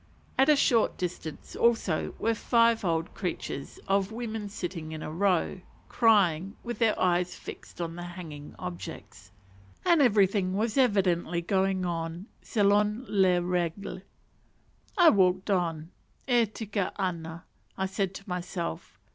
At a short distance also were five old creatures of women sitting in a row, crying, with their eyes fixed on the hanging objects, and everything was evidently going on selon les règles. I walked on. "E tika ana," said I, to myself.